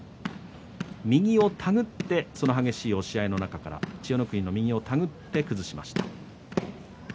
右を手繰ってその激しい押し合いの中千代の国右を手繰って崩しました。